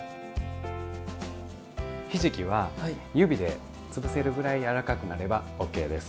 ひじきは指でつぶせるぐらいやわらかくなればＯＫです。